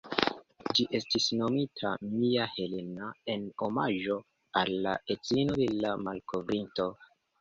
Ĝi estis nomita ""Mia Helena"" en omaĝo al la edzino de la malkovrinto.